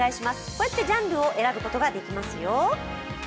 こうやってジャンルを選ぶことができますよ。